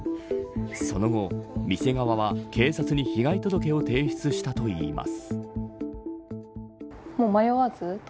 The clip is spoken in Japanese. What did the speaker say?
その後、店側は警察に被害届を提出したといいます。